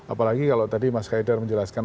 apalagi kalau tadi mas kaidar menjelaskan